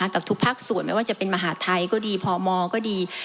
กับทุกภาคส่วนไม่ว่าจะเป็นมหาดไทยก็ดีพมก็ดี